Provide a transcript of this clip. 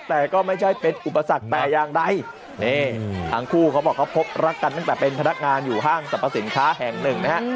แต่ก็ไม่ใช่เป็นอุปสรรคแต่อย่างใดนี่ทั้งคู่เขาบอกเขาพบรักกันตั้งแต่เป็นพนักงานอยู่ห้างสรรพสินค้าแห่งหนึ่งนะฮะ